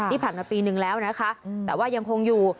ที่ผ่านมาปีนึงแล้วนะคะแต่ว่ายังคงอยู่